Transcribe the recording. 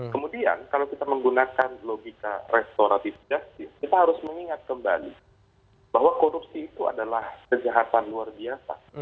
kemudian kalau kita menggunakan logika restoratif justice kita harus mengingat kembali bahwa korupsi itu adalah kejahatan luar biasa